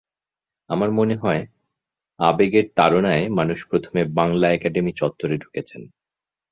আমার মনে হয়, আবেগের তাড়নায় মানুষ প্রথমে বাংলা একাডেমি চত্বরে ঢুকছেন।